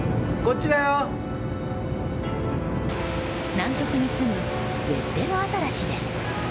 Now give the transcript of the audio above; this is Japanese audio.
南極に住むウェッデルアザラシです。